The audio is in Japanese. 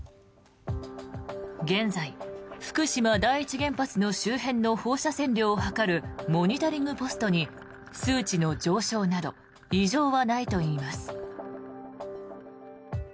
現在、福島第一原発の周辺の放射線量を測るモニタリングポストに数値の上昇など異常はないといいます。